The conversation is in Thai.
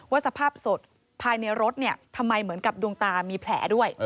สภาพศพภายในรถทำไมเหมือนกับดวงตามีแผลด้วย